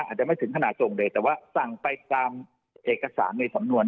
อาจจะไม่ถึงขนาดส่งเลยแต่ว่าสั่งไปตามเอกสารในสำนวน